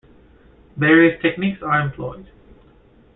Various techniques are employed.